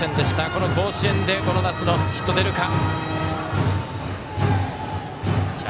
この甲子園でこの夏の初ヒット出るか。